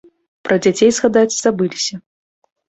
Пра дзяцей згадаць забыліся.